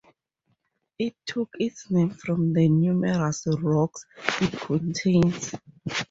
It took its name from the numerous rocks it contains.